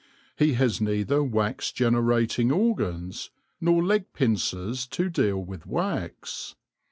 He has neither wax generating organs, nor leg pincers to deal with wax.